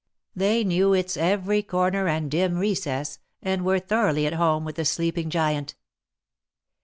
They knew its every corner and dim recess, and were thoroughly at hoine with the sleeping giant.